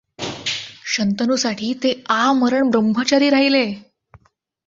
शंतनूसाठी ते आमरण ब्रह्मचारी राहिले.